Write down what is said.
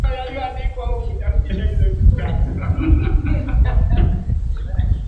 katika uhuru wa vyombo vya habari hivi sasa liko katika mtanziko